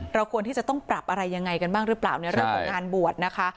ควรที่จะต้องปรับอะไรยังไงกันบ้างหรือเปล่าในเรื่องของงานบวชนะคะ